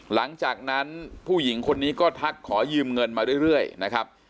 หลังจากนั้นผู้หญิงคนนี้ก็ทักขอยืมเงินมาเรื่อยนะครับ